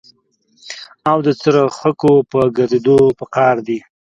او د څرخکو په ګرځېدو په قار دي.